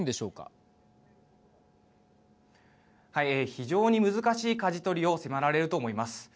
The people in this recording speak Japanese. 非常に難しいかじ取りを迫られると思います。